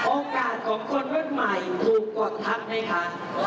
โอกาสของคนรุ่นใหม่ถูกกดทับไหมคะ